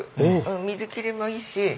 水切りもいいし。